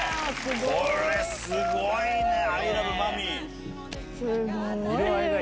これすごいねアイラブマミィ！